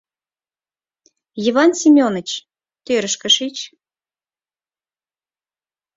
Йыван Семоныч, тӧрышкӧ шич.